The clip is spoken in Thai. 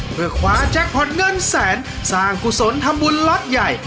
เพื่อคว้าแจ็คพอร์ตเงินแสนสร้างกุศลทำบุญล็อตใหญ่